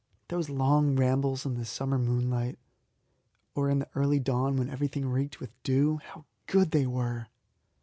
Those long rambles in the summer moonlight, or in the early dawn when everything reeked with dew, how good they were!